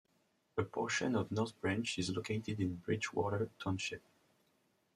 A portion of North Branch is located in Bridgewater Township.